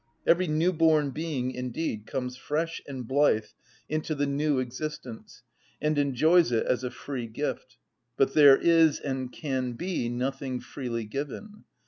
Every new‐born being indeed comes fresh and blithe into the new existence, and enjoys it as a free gift: but there is, and can be, nothing freely given.